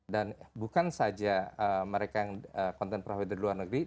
dan bukan saja mereka yang content provider di luar negeri